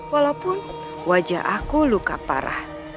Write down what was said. walaupun wajah aku luka parah